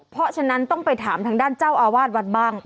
เพราะฉะนั้นต้องไปถามทางด้านเจ้าอาวาสวัดบ้าง